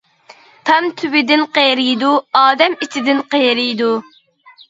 تام تۈۋىدىن قېرىيدۇ، ئادەم ئىچىدىن قېرىيدۇ.